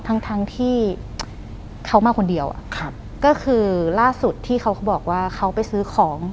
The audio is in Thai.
ทั้งทั้งที่เขามาคนเดียวอ่ะครับก็คือล่าสุดที่เขาเขาบอกว่าเขาไปซื้อของ